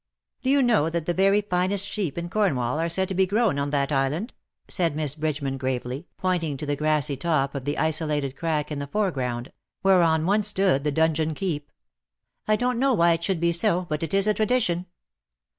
" Do you know that the very finest sheep in Cornwall are said to be grown on that island/"* said Miss Bridgeman gravely, pointing to the grassy top of the isolated crag in the foreground, whereon once stood the donjon keep. "I don''t know why it should be so, but it is a tradition."